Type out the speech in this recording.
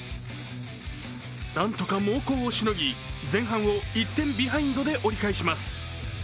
なんとか猛攻をしのぎ前半を１点ビハインドで折り返します。